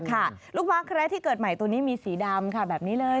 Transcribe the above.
ลูกม้าแคระที่เกิดใหม่ตัวนี้มีสีดำค่ะแบบนี้เลย